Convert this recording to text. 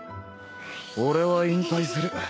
俺は引退する。